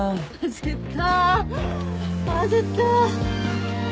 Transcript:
焦った。